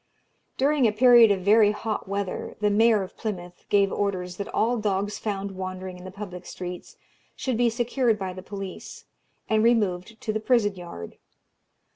During a period of very hot weather, the Mayor of Plymouth gave orders that all dogs found wandering in the public streets should be secured by the police, and removed to the prison yard.